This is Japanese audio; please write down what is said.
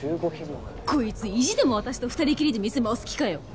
こいつ意地でも私と２人きりで店回す気かよ